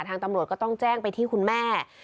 ทางตำรวจก็ต้องแจ้งไปที่คุณแม่